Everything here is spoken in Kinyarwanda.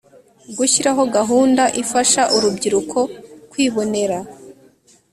gushyiraho gahunda ifasha urubyiruko kwibonera